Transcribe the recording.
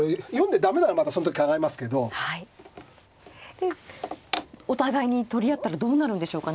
でお互いに取り合ったらどうなるんでしょうか。